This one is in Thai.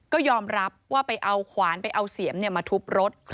ก็ยอมรับว่าไปเอาขวานไปเอาเสียมมาทุบรถ